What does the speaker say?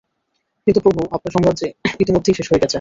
কিন্তু প্রভু, আপনার সাম্রাজ্য ইতোমধ্যেই শেষ হয়ে গেছে।